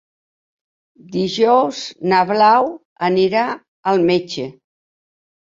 Dijous na Blau anirà al metge.